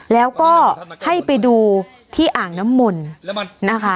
แล้วก็ให้ไปดูที่อ่างน้ำมนต์นะคะ